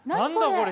これ。